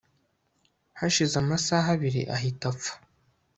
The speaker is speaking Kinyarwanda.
hashize amasa abiri ahita apfa